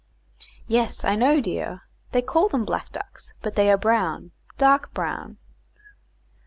"Yes, I know, dear; they call them black ducks, but they are brown dark brown."